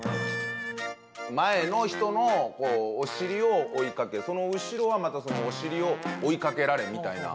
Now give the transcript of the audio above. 前の人のお尻を追いかけその後ろはまたそのお尻を追いかけられみたいな。